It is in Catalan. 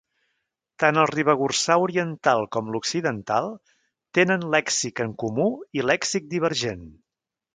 Tant el ribagorçà oriental com l'occidental tenen lèxic en comú i lèxic divergent.